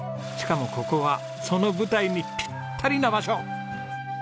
しかもここはその舞台にピッタリな場所！